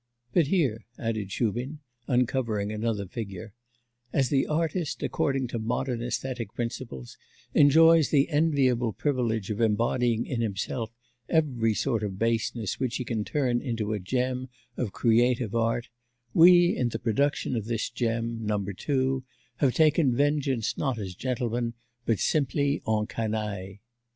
But here,' added Shubin, uncovering another figure, 'as the artist according to modern aesthetic principles enjoys the enviable privilege of embodying in himself every sort of baseness which he can turn into a gem of creative art, we in the production of this gem, number two, have taken vengeance not as gentlemen, but simply en canaille.